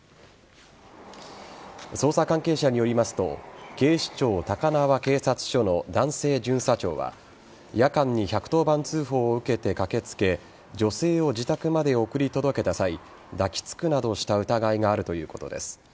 捜査関係者によりますと警視庁高輪警察署の男性巡査長は夜間に１１０番通報を受けて駆けつけ女性を自宅まで送り届けた際抱きつくなどした疑いがあるということです。